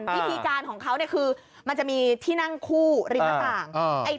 วิธีการของเขาคือมันจะมีที่นั่งคู่ริมหน้าต่าง